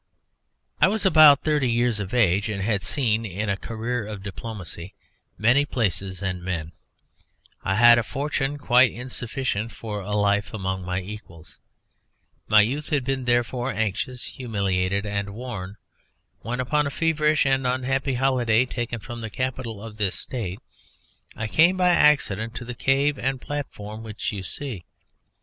"I was about thirty years of age, and had seen (in a career of diplomacy) many places and men; I had a fortune quite insufficient for a life among my equals. My youth had been, therefore, anxious, humiliated, and worn when, upon a feverish and unhappy holiday taken from the capital of this State, I came by accident to the cave and platform which you see.